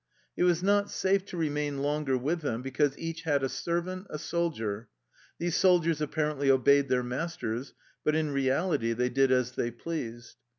It was not safe to remain longer with them, because each had a servant, a soldier. These soldiers apparently obeyed their masters, but in reality they did as they pleased.